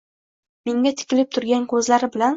Menga tikilib turgan ko’zlari bilan